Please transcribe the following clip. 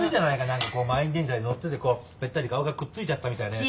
何かこう満員電車に乗っててこうぺったり顔がくっついちゃったみたいなやつ。